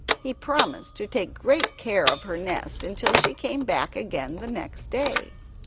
He promised to take great care of her nest until she came back again the next day.